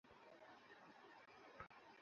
সে গুলি মেরে দিবে।